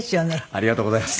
ありがとうございます。